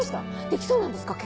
できそうなんですか？